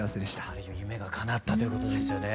ある意味夢がかなったということですよね。